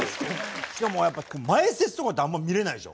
しかもやっぱ前説とかってあんま見れないでしょ？